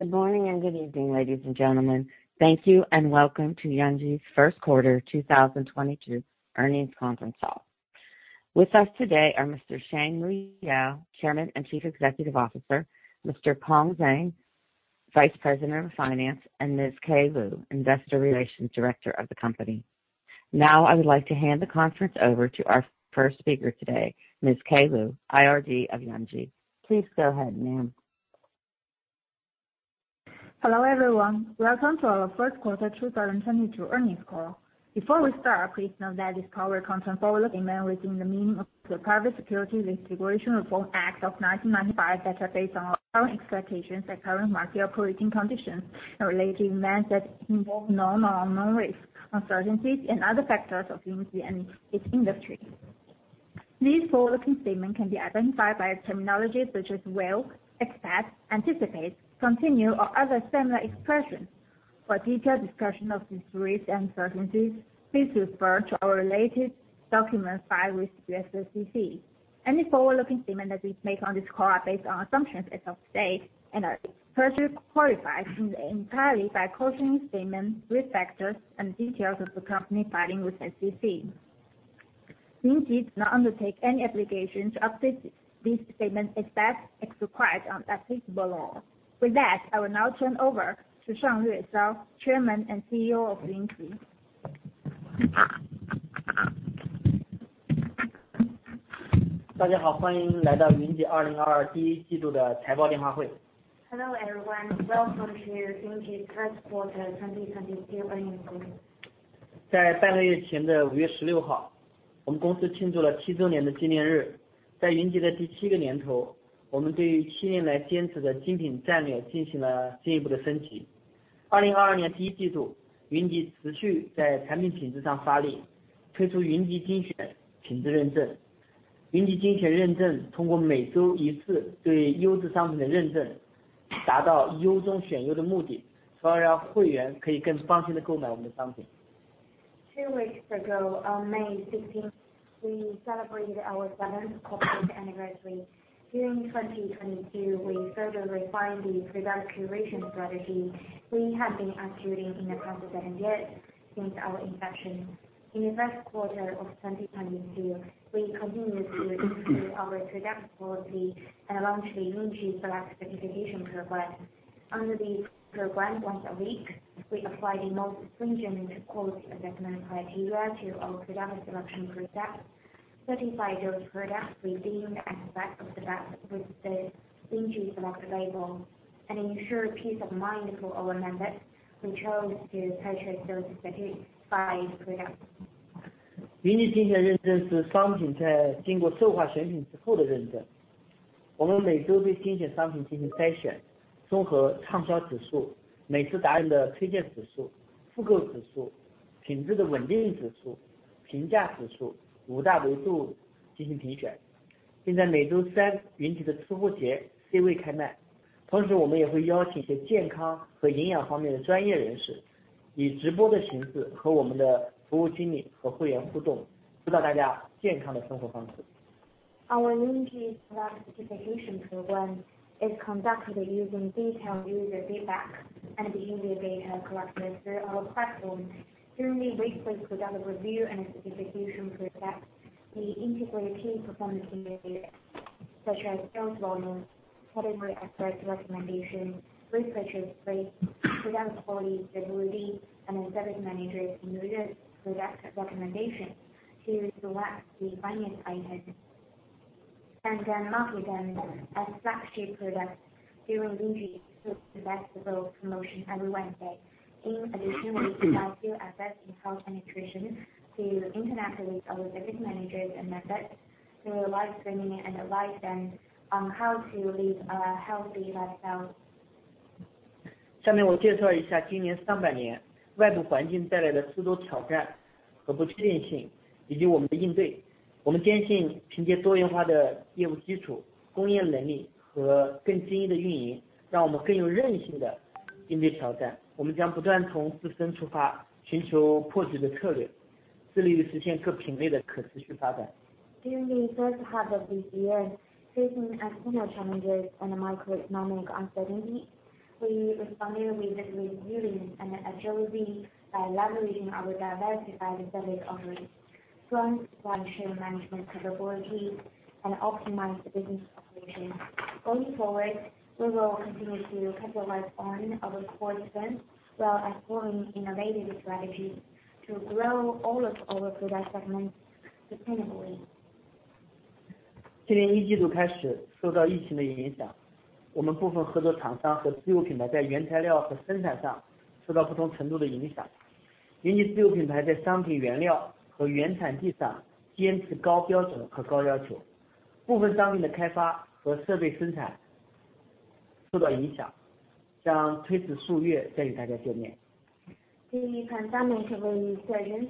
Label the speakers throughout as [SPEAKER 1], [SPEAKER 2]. [SPEAKER 1] Good morning and good evening, ladies and gentlemen. Thank you and welcome to Yunji's first quarter 2022 earnings conference call. With us today are Mr. Shanglue Xiao, Chairman and Chief Executive Officer, Mr. Chengqi Zhang, Vice President of Finance, and Ms. Kaye Liu, Investor Relations Director of the company. Now I would like to hand the conference over to our first speaker today, Ms. Kaye Liu, IRD of Yunji. Please go ahead, ma'am.
[SPEAKER 2] Hello, everyone. Welcome to our first quarter 2022 earnings call. Before we start, please note that this call will contain forward-looking statements within the meaning of the Private Securities Litigation Reform Act of 1995 that are based on our current expectations and current market operating conditions and relate to events that involve known or unknown risks, uncertainties and other factors affecting Yunji and its industry. These forward-looking statements can be identified by terminology such as will, expect, anticipate, continue or other similar expressions. For a detailed discussion of these risks and uncertainties, please refer to our related documents filed with the SEC. Any forward-looking statement that we make on this call are based on assumptions as of today and are first qualified in their entirety by cautionary statements, risk factors and details of the company filing with the SEC. Yunji does not undertake any obligation to update these statements except as required by applicable law. With that, I will now turn over to Shanglue Xiao, Chairman and CEO of Yunji. Hello, everyone. Welcome to Yunji's first quarter 2022 earnings call. Two weeks ago, on May sixteenth, we celebrated our seventh corporate anniversary. During 2022, we further refined the product curation strategy we have been executing in the past seven years since our inception. In the first quarter of 2022, we continued to improve our product quality and launched the Yunji product certification program. Under this program, once a week, we apply the most stringent quality assessment criteria to our product selection process, certify those products we deem as best of the best with the Yunji product label, and ensure peace of mind for our members who chose to purchase those certified products. Our Yunji product certification program is conducted using detailed user feedback and behavior data collected through our platform. During the weekly product review and certification process, we integrate key performance indicators such as sales volume, category expert recommendation, repurchase rate, product quality stability and service managers and user product recommendation to select the finest items and then market them as flagship products during Yunji's festival promotion every Wednesday. In addition, we invite health and nutrition to interact with our business managers and members through a live streaming and advise them on how to live a healthy lifestyle. During the first half of this year, facing external challenges and macroeconomic uncertainty, we responded with resilience and agility by leveraging our diversified service offerings, strong supply chain management capabilities and optimized business operations. Going forward, we will continue to capitalize on our core strengths while exploring innovative strategies to grow all of our product segments sustainably. The pandemic-related disruptions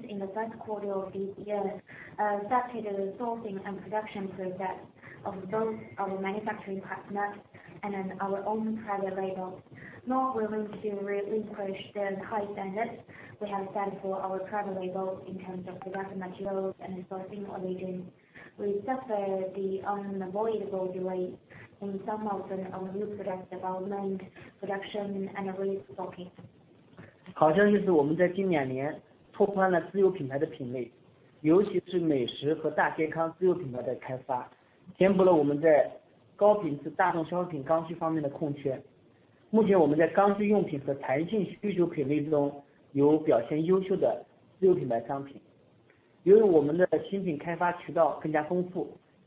[SPEAKER 2] in the first quarter of this year, affected the sourcing and production process of both our manufacturing partners and our own private labels. Not willing to relinquish the high standards we have set for our private labels in terms of product materials and sourcing origins, we suffered the unavoidable delay in some of our new product development, production and restocking.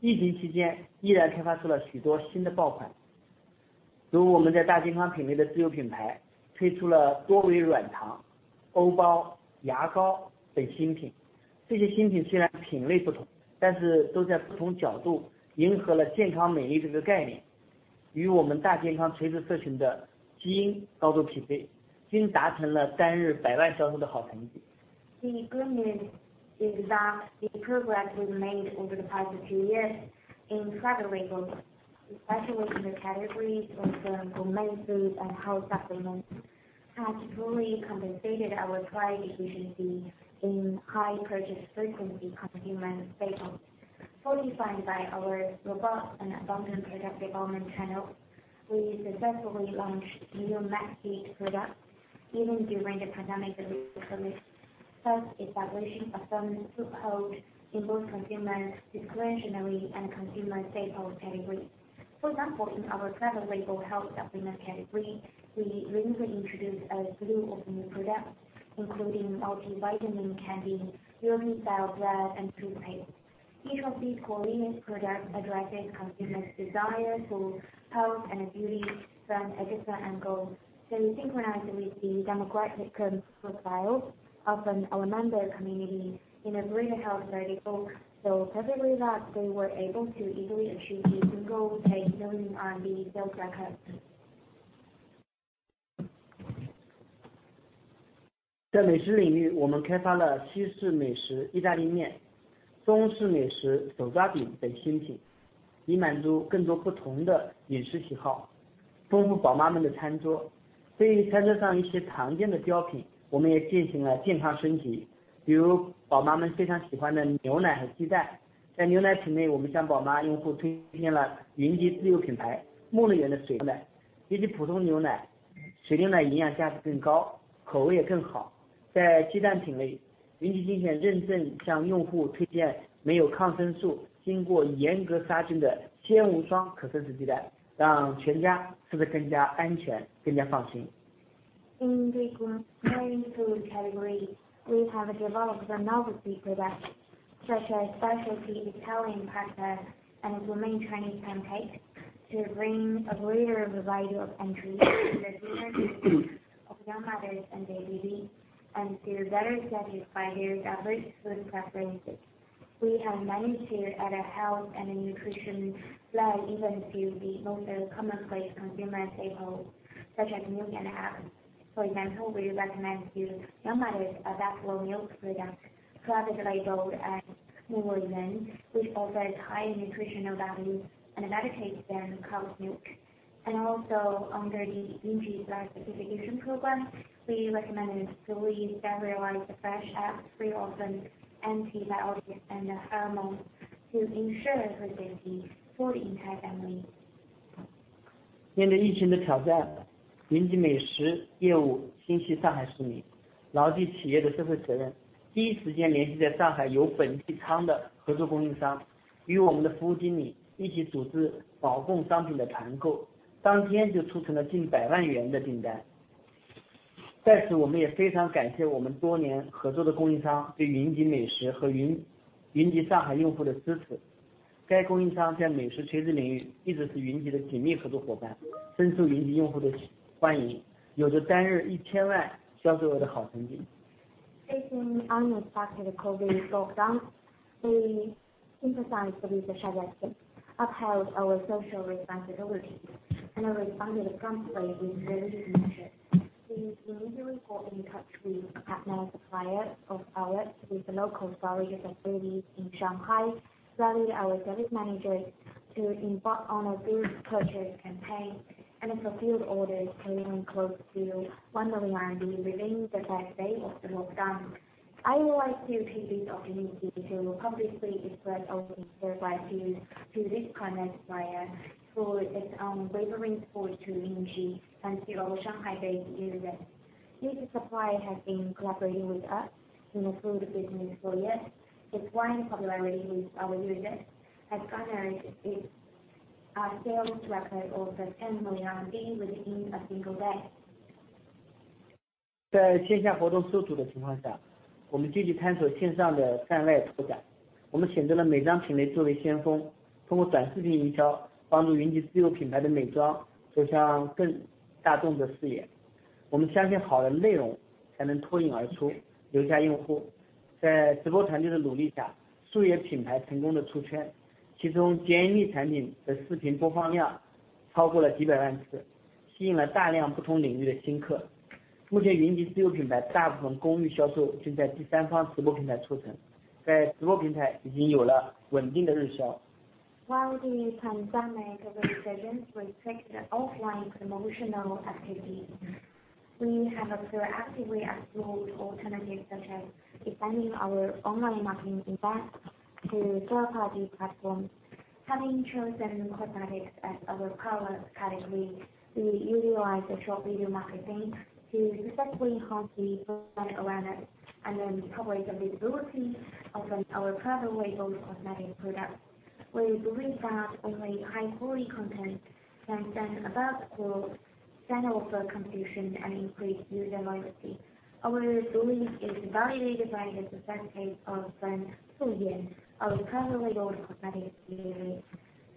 [SPEAKER 3] 好像就是我们在今年两年拓宽了自有品牌的品类，尤其是美食和大健康自有品牌的开发，填补了我们在高品质大众消费品刚需方面的空缺。目前我们在刚需用品和弹性需求品类中有表现优秀的自有品牌商品。由于我们的新品开发渠道更加丰富，疫情期间依然开发出了许多新的爆款。如我们在大健康品类的自有品牌推出了多维软糖、欧包、牙膏等新品，这些新品虽然品类不同，但是都在不同角度迎合了健康美丽这个概念，与我们大健康垂直社群的基因高度匹配，均达成了单日百万销售的好成绩。
[SPEAKER 2] The good news is that the progress we've made over the past two years in private label, especially in the categories of gourmet food and health supplements, has fully compensated our price efficiency in high purchase frequency consumer staples. Fortified by our robust and abundant product development channel, we successfully launched new must-have products even during the pandemic, releasing such as establishing a firm foothold in both consumer discretionary and consumer staples categories. For example, in our private label health supplement category, we recently introduced a slew of new products, including multivitamin candy, European-style bread, and toothpaste. Each of these four leading products addresses consumers' desire for health and beauty from a different angle to synchronize with the demographic profile of the Yunji community in a very health-minded way, so much so that they were able to easily achieve the single-day RMB 1 million sales records. In the gourmet food category, we have developed some novelty products such as specialty Italian pasta and gourmet Chinese pancakes to bring a greater variety of entries to the dinner tables of young mothers and their babies, and to better satisfy their diverse food preferences. We have managed to add a health and nutrition flag even to the most commonplace consumer staples, such as milk and eggs. For example, we recommend to young mothers a vast array of milk products, private label and new origin, which offers high nutritional value and a better taste than cow's milk. Also under the Yunji product certification program, we recommend a fully standardized, fresh eggs free of any antibiotics and hormones to ensure food safety for the entire family.
[SPEAKER 3] 面对疫情的挑战，云集美食业务心系上海市民，牢记企业的社会责任，第一时间联系在上海有本地仓的合作供应商，与我们的服务经理一起组织保供商品的团购，当天就促成了近百万元的订单。在此，我们也非常感谢我们多年合作的供应商对云集美食和云集上海用户的支持。该供应商在美食垂直领域一直是云集的紧密合作伙伴，深受云集用户的欢迎，有着单日百万销售额的好成绩。
[SPEAKER 2] Facing the unexpected COVID lockdown, we emphasized the need to uphold our social responsibility and responded promptly with relief measures. We immediately got in touch with partner suppliers of ours with local storage facilities in Shanghai, rallied our service managers to embark on a food purchase campaign and fulfilled orders totaling close to 1 million within the first day of the lockdown. I would like to take this opportunity to publicly express our gratitude to this partner supplier for its unwavering support to Yunji and to our Shanghai-based users. This supplier has been collaborating with us in the food business for years, acquiring popularity with our users, has generated a sales record of 10 million within a single day.
[SPEAKER 3] 在线下活动受阻的情况下，我们积极探索线上的泛外拓展。我们选择了美妆品类作为先锋，通过短视频营销帮助云集自有品牌的美妆走向更大众的视野。我们相信好的内容才能脱颖而出，留下用户。在直播团队的努力下，数个品牌成功地出圈，其中SUYE产品在视频播放量超过了几百万次，吸引了大量不同领域的新客。目前，云集自有品牌大部分功率销售均在第三方直播平台促成，在直播平台已经有了稳定的日销。
[SPEAKER 2] While the pandemic restrictions restrict the offline promotional activities, we have proactively explored alternatives such as expanding our online marketing investment to third-party platforms. Having chosen cosmetics as our power category, we utilize the short video marketing to successfully enhance the brand awareness and then coverage and visibility of our private label cosmetic products. We believe that only high quality content can stand above the crowd, stand over competition and increase user loyalty. Our belief is validated by the success case of SUYE, our private label cosmetic brand.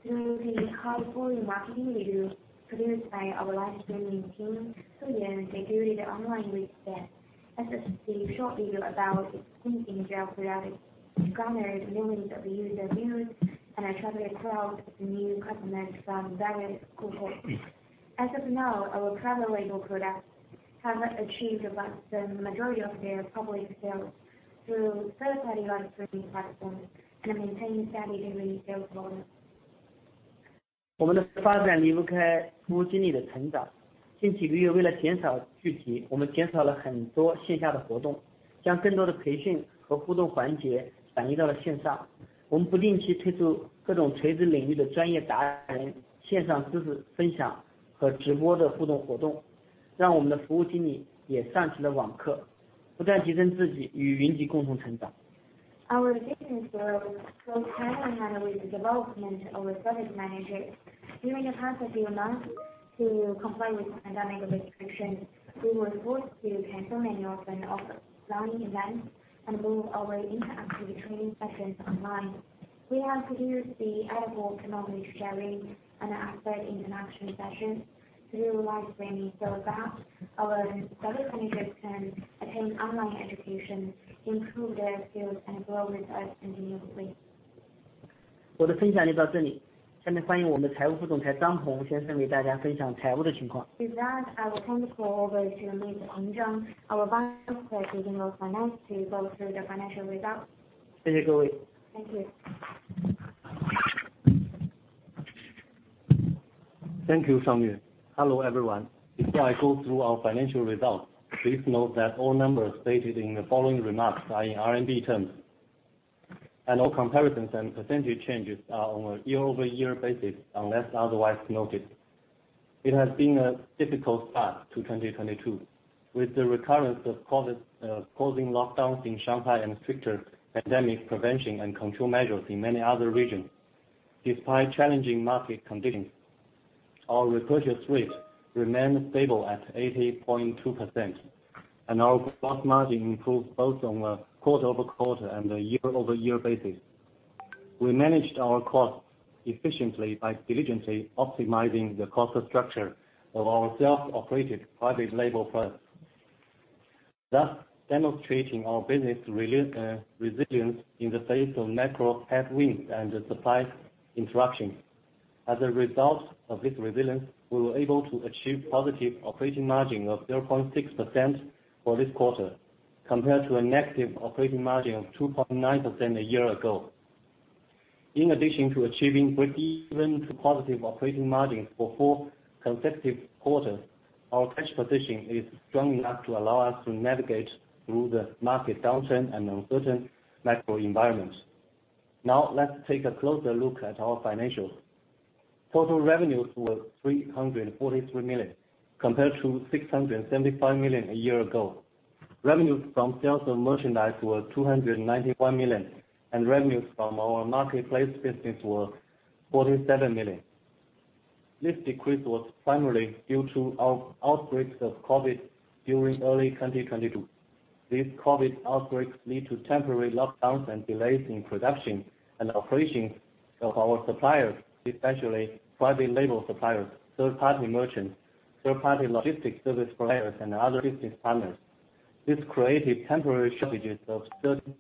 [SPEAKER 2] Through the helpful marketing video produced by our live streaming team, debuted online with the associated short video about its skin gel product garnered millions of user views and attracted 12 new customers from various groups. As of now, our private label products have achieved about the majority of their public sales through third-party live streaming platforms and maintain steady daily sales volume. Our business growth goes hand in hand with the development of our service managers. During the past few months, to comply with pandemic restrictions, we were forced to cancel many of our offline events and move our interactive training sessions online. We have used the mobile technology sharing and expert interaction sessions through live streaming so that our service managers can attend online education, improve their skills, and grow with us continuously. With that, I will hand over to Mr. Chengqi Zhang, our Vice President of Finance, to go through the financial results. Thank you.
[SPEAKER 4] Thank you, Kaye Liu. Hello, everyone. Before I go through our financial results, please note that all numbers stated in the following remarks are in RMB terms, and all comparisons and percentage changes are on a year-over-year basis, unless otherwise noted. It has been a difficult start to 2022, with the recurrence of COVID causing lockdowns in Shanghai and stricter pandemic prevention and control measures in many other regions. Despite challenging market conditions, our repurchase rate remained stable at 80.2%, and our gross margin improved both on a quarter-over-quarter and a year-over-year basis. We managed our costs efficiently by diligently optimizing the cost structure of our self-operated private label products. Thus demonstrating our business resilience in the face of macro headwinds and the supply interruptions. As a result of this resilience, we were able to achieve positive operating margin of 0.6% for this quarter, compared to a negative operating margin of 2.9% a year ago. In addition to achieving breakeven to positive operating margin for four consecutive quarters, our cash position is strong enough to allow us to navigate through the market downturn and uncertain macro environment. Now let's take a closer look at our financials. Total revenues were 343 million, compared to 675 million a year ago. Revenues from sales of merchandise were 291 million, and revenues from our marketplace business were 47 million. This decrease was primarily due to outbreaks of COVID during early 2022. These COVID outbreaks lead to temporary lockdowns and delays in production and operations of our suppliers, especially private label suppliers, third-party merchants, third-party logistics service providers, and other business partners. This created temporary shortages of certain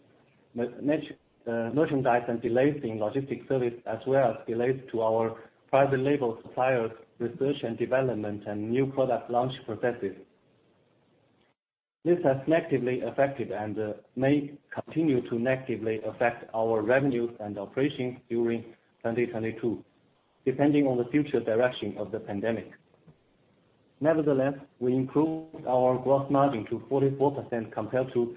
[SPEAKER 4] merchandise and delays in logistics service, as well as delays to our private label suppliers' research and development and new product launch processes. This has negatively affected and may continue to negatively affect our revenues and operations during 2022, depending on the future direction of the pandemic. Nevertheless, we improved our gross margin to 44% compared to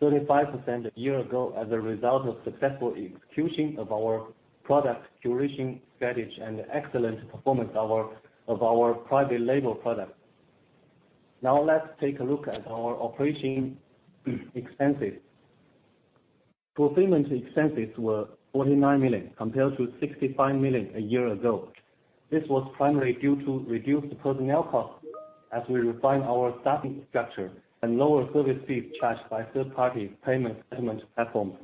[SPEAKER 4] 35% a year ago as a result of successful execution of our product curation strategy and excellent performance of our private label products. Now let's take a look at our operating expenses. Fulfillment expenses were 49 million, compared to 65 million a year ago. This was primarily due to reduced personnel costs as we refined our staffing structure and lower service fees charged by third-party payment settlement platforms.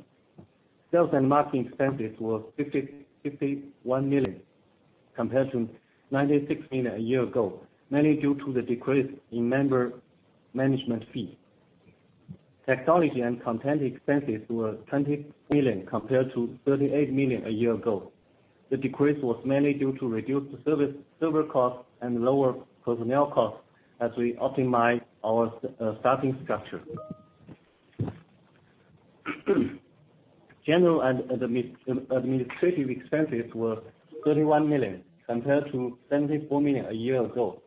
[SPEAKER 4] Sales and marketing expenses were 51 million compared to 96 million a year ago, mainly due to the decrease in member management fees. Technology and content expenses were 20 million, compared to 38 million a year ago. The decrease was mainly due to reduced server costs and lower personnel costs as we optimized our staffing structure. General and administrative expenses were 31 million, compared to 74 million a year ago.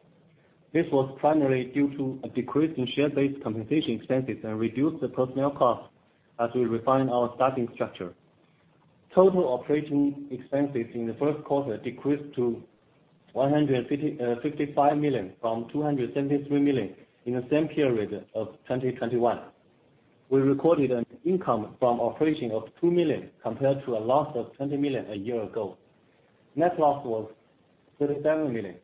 [SPEAKER 4] This was primarily due to a decrease in share-based compensation expenses and reduced personnel costs as we refined our staffing structure. Total operating expenses in the first quarter decreased to 155 million from 273 million in the same period of 2021. We recorded an income from operating of 2 million compared to a loss of 20 million a year ago. Net loss was 37 million,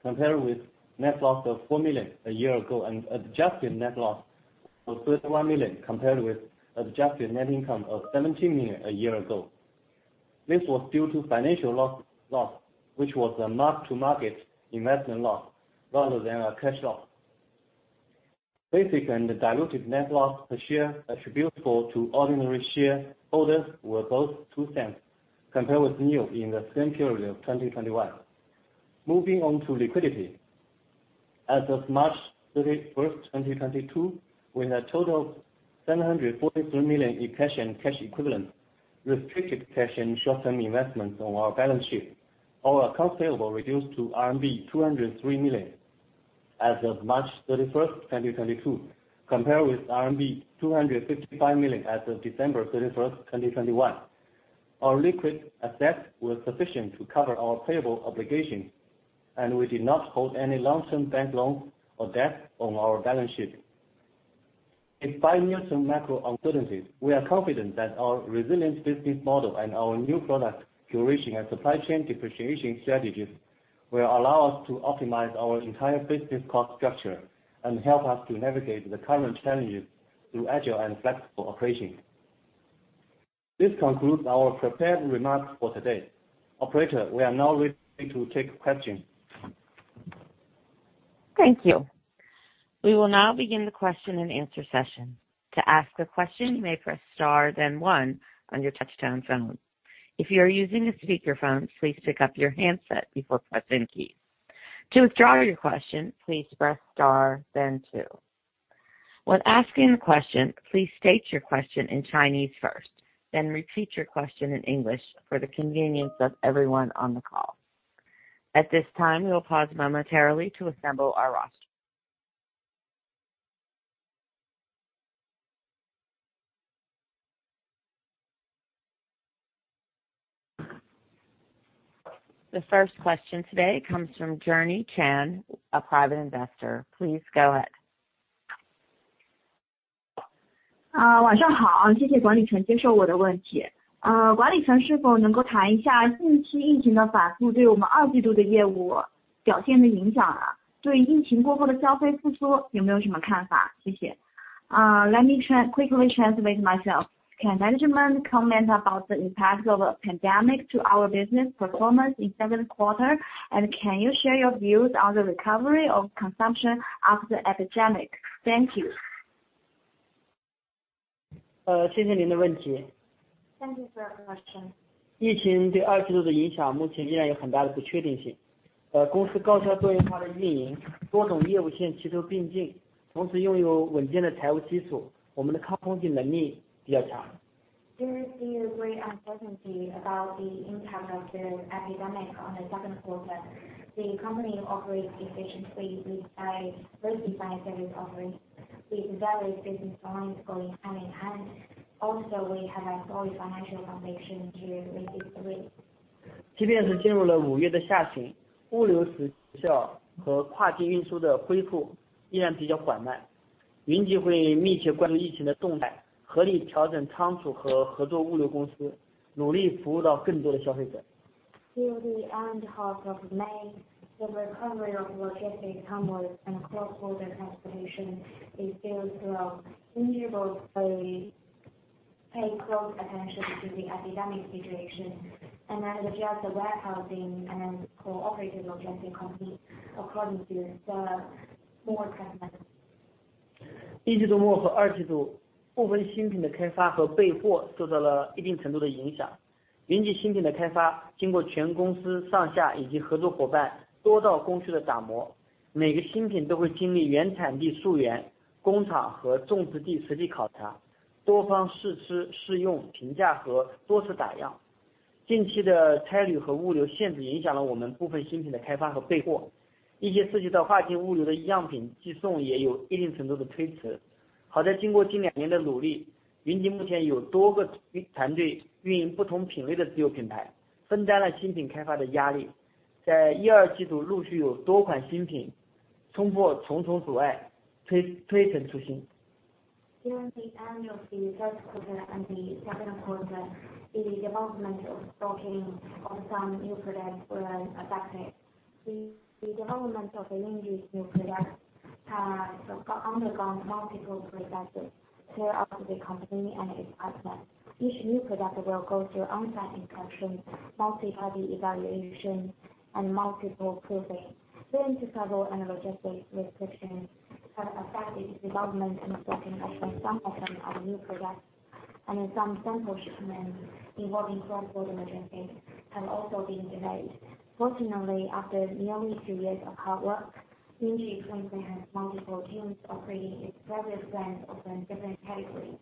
[SPEAKER 4] compared with net loss of 4 million a year ago, and adjusted net loss of 31 million, compared with adjusted net income of 17 million a year ago. This was due to financial loss, which was a mark-to-market investment loss rather than a cash loss. Basic and diluted net loss per share attributable to ordinary shareholders were both $0.02, compared with nil in the same period of 2021. Moving on to liquidity. As of March 31st, 2022, we had a total of 743 million in cash and cash equivalents, restricted cash and short-term investments on our balance sheet. Our accounts payable reduced to RMB 203 million as of March thirty-first, 2022, compared with RMB 255 million as of December 31st, 2021. Our liquid assets were sufficient to cover our payable obligations, and we did not hold any long-term bank loans or debt on our balance sheet. Despite near-term macro uncertainties, we are confident that our resilient business model and our new product curation and supply chain differentiation strategies will allow us to optimize our entire business cost structure and help us to navigate the current challenges through agile and flexible operations. This concludes our prepared remarks for today. Operator, we are now ready to take questions.
[SPEAKER 1] Thank you. We will now begin the question-and-answer session. To ask a question, you may press star then one on your touch-tone phone. If you are using a speakerphone, please pick up your handset before pressing keys. To withdraw your question, please press star then two. When asking a question, please state your question in Chinese first, then repeat your question in English for the convenience of everyone on the call. At this time, we will pause momentarily to assemble our roster. The first question today comes from Journey Chan, a private investor. Please go ahead.
[SPEAKER 5] Let me quickly translate myself. Can management comment about the impact of the pandemic to our business performance in second quarter? Can you share your views on the recovery of consumption after epidemic? Thank you.
[SPEAKER 4] Uh.
[SPEAKER 2] Thank you for your question. There is still great uncertainty about the impact of the epidemic on the second quarter. The company operates efficiently with a very diverse offering with various business lines going hand in hand. Also, we have a strong financial foundation to resist the risk. Till the end half of May, the recovery of logistics onwards and cross-border transportation is still slow. Yunji will pay close attention to the epidemic situation and adjust the warehousing and cooperative logistics companies according to the market trends. During the end of the first quarter and the second quarter, the development of stocking of some new products were affected. The development of Yunji's new products have undergone multiple processes throughout the company and its partners. Each new product will go through on-site inspection, multi-party evaluation, and multiple proving. The international travel and logistics restrictions have affected the development and stocking of some of the new products, and some sample shipments involving cross-border logistics have also been delayed. Fortunately, after nearly two years of hard work, Yunji currently has multiple teams operating its product brands of the different categories.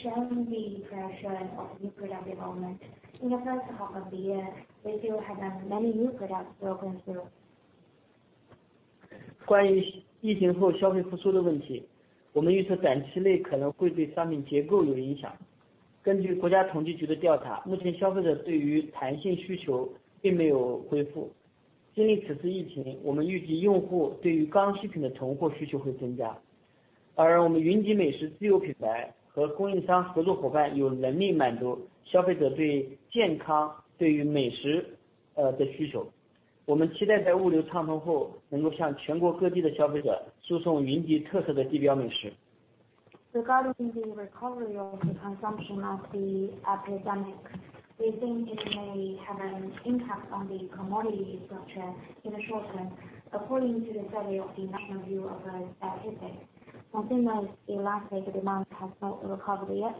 [SPEAKER 2] Sharing the pressure of new product development. In the first half of the year, we still have many new products broken through. Regarding the recovery of consumption from the epidemic, we think it may have an impact on the commodity structure in the short term, according to the study of the National Bureau of Statistics. Consumers' elastic demand has not recovered yet.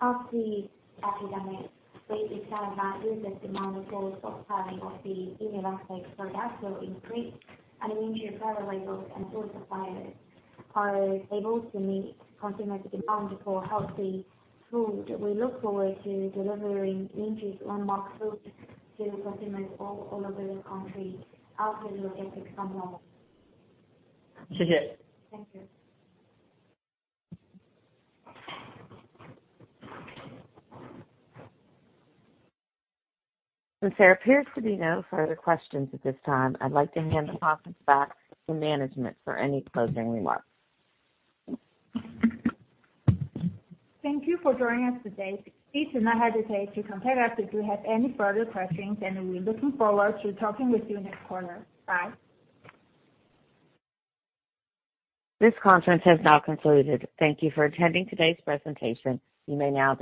[SPEAKER 2] After the epidemic stabilizes, the demand for spending on the inelastic products will increase, and Yunji's product labels and food suppliers are able to meet consumer demand for healthy food. We look forward to delivering Ningxia's unlocked food to consumers all over the country after the logistics come normal. Thank you.
[SPEAKER 1] Since there appears to be no further questions at this time, I'd like to hand the conference back to management for any closing remarks.
[SPEAKER 2] Thank you for joining us today. Please do not hesitate to contact us if you have any further questions, and we're looking forward to talking with you next quarter. Bye.
[SPEAKER 1] This conference has now concluded. Thank you for attending today's presentation. You may now disconnect.